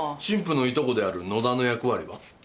新婦のいとこである野田の役割は？